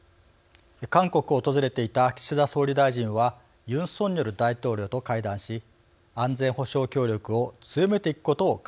韓国を訪れていた岸田総理大臣はユン・ソンニョル大統領と会談し安全保障協力を強めていくことを確認しました。